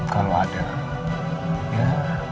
kalau ada ya